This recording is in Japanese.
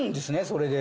それで。